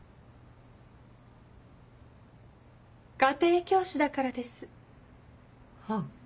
家庭教師だからです。はあ。